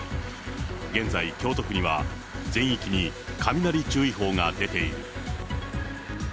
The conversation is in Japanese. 現在、京都府には、全域に雷注意報が出ている。